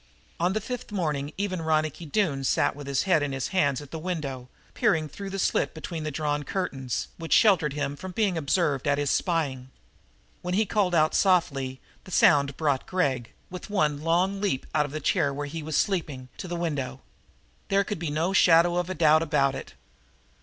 And on the fifth morning even Ronicky Doone sat with his head in his hands at the window, peering through the slit between the drawn curtains which sheltered him from being observed at his spying. When he called out softly, the sound brought Gregg, with one long leap out of the chair where he was sleeping, to the window. There could be no shadow of a doubt about it.